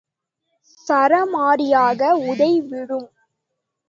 சரமாரியாக உதை விழும்.